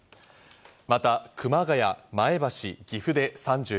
また熊谷、前橋、岐阜で３９度。